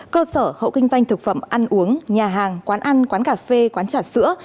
cơ sở hộ kinh doanh thực phẩm ăn uống nhà hàng quán ăn quán cà phê quán trà sữa